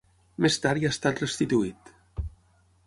Més tard hi ha estat restituït.